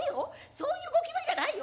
そういうゴキブリじゃないよ。